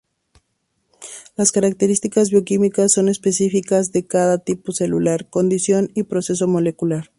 Las características bioquímicas son específicas de cada tipo celular, condición y proceso molecular.